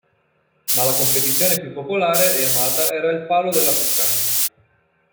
Ma la competizione più popolare e amata era il palo della cuccagna.